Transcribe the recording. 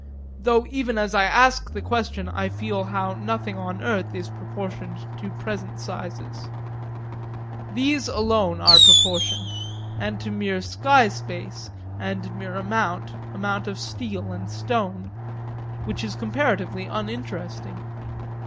though even as I ask the question I feel how nothing on earth is proportioned to present sizes. These alone are proportioned and to mere sky space and mere amount, amount of steel and stone; which is comparatively uninteresting.